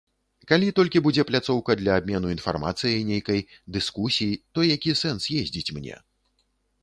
Калі толькі будзе пляцоўка для абмену інфармацыяй нейкай, дыскусій, то які сэнс ездзіць мне?